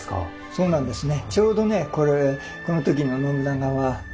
そうなんですね。